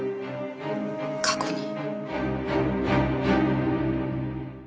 過去に。